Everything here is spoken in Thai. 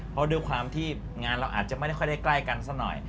เพราะด้วยความที่งานเราอาจจะไม่ค่อยได้ใกล้กันสักหน่อย